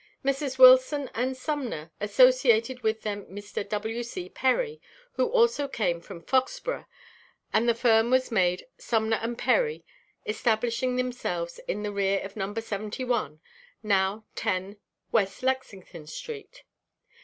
Messrs. Wilson & Sumner associated with them Mr. W. C. Perry, who also came from Foxboro, and the firm was made Sumner & Perry, establishing themselves in the rear of No. 71, now 10 West Lexington street.